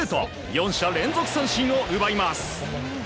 ４者連続三振を奪います。